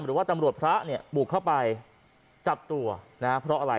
หรือว่าตำรวจพระเนี่ยบุกเข้าไปจับตัวนะฮะเพราะอะไร